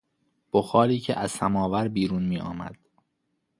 بخاری که از سماور بیرون میآمد